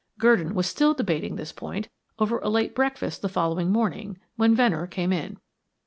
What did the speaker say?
Gurdon was still debating this point over a late breakfast the following morning, when Venner came in.